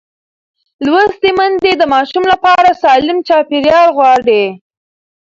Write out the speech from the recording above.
لوستې میندې د ماشوم لپاره سالم چاپېریال غواړي.